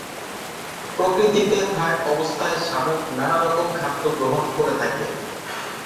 প্রকৃতিতে থাক অবস্থায় শামুক নানা রকম খাদ্য গ্রহণ করে থাকে।